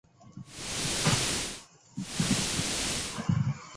红山脉的北端连接英格林山脉甚远。